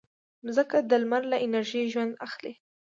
مځکه د لمر له انرژي ژوند اخلي.